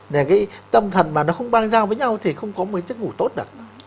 để cái tâm thận mà nó không ban giao với nhau thì không có chức ngủ tốt được